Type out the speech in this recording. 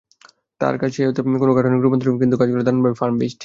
তাঁর কাজে সেই অর্থে কোনো গাঠনিক রূপান্তর নেই, কিন্তু কাজগুলো দারুণভাবে ফর্মবেইসড।